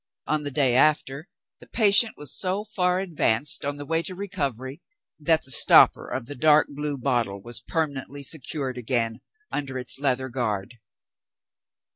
On the day after, the patient was so far advanced on the way to recovery, that the stopper of the dark blue bottle was permanently secured again under its leather guard.